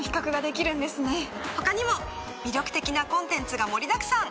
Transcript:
他にも魅力的なコンテンツが盛りだくさん！